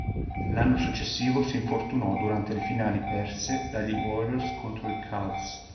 L'anno successivo si infortunò durante le finali perse dagli Warriors contro i Cavs.